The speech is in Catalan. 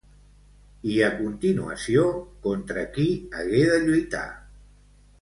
I a continuació, contra qui hagué de lluitar?